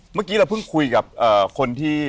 เมื่อกี้เราเพิ่งคุยกับคนที่